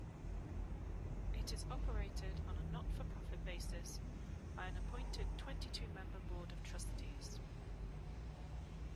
It is operated on a not-for-profit basis by an appointed twenty-two-member Board of Trustees.